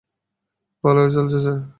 ভালোই চলছে, স্যার।